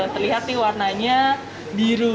terlihat nih warnanya biru